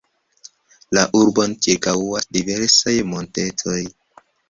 La urbon ĉirkaŭas diversaj montetoj.